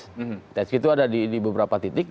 tight gates itu ada di beberapa titik